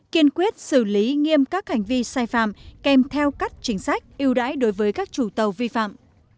kiên quyết xử lý nghiêm các hành vi sai phạm kèm theo các chính sách ưu đãi đối với các chủ tàu vi phạm